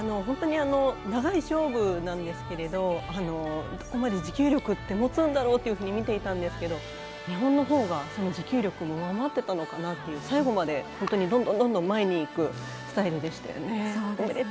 長い勝負なんですけどここまで持久力ってもつんだろうというふうに見ていたんですけど日本のほうが持久力も上回っていたのかなという最後まで本当にどんどん前にいくスタイルでしたよね。